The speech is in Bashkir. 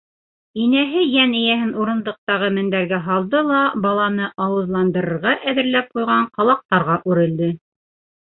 - Инәһе йән эйәһен урындыҡтағы мендәргә һалды ла, баланы ауыҙландырырға әҙерләп ҡуйған ҡалаҡтарға үрелде.